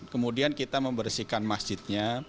kemudian kita membersihkan masjidnya